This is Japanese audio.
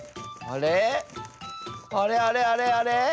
あれあれあれあれ？